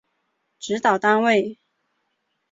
指导单位